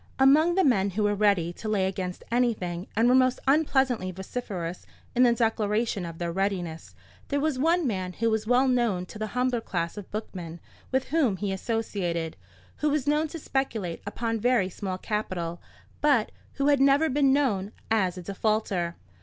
Among the men who were ready to lay against anything, and were most unpleasantly vociferous in the declaration of their readiness, there was one man who was well known to the humbler class of bookmen with whom he associated, who was known to speculate upon very small capital, but who had never been known as a defaulter.